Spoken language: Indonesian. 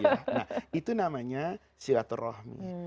nah itu namanya silaturahmi